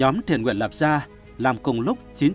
nhóm thiện nguyện lập gia làm cùng lúc chín chương trình